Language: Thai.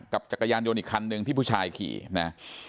จักรยานยนต์อีกคันหนึ่งที่ผู้ชายขี่นะ